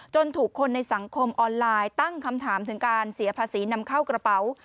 ถูกคนในสังคมออนไลน์ตั้งคำถามถึงการเสียภาษีนำเข้ากระเป๋า